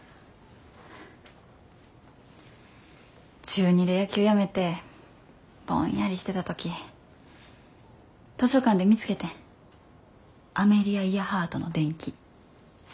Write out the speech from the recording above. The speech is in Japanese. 中２で野球やめてぼんやりしてた時図書館で見つけてんアメリア・イヤハートの伝記。